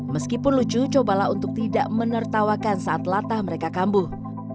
meskipun lucu cobalah untuk tidak menertawakan saat latah mereka kambuh